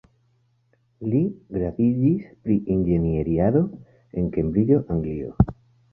Li gradiĝis pri Inĝenierado en Kembriĝo, Anglio.